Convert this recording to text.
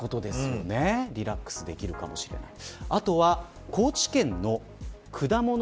リラックスできるかもしれません。